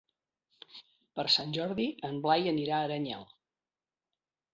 Per Sant Jordi en Blai anirà a Aranyel.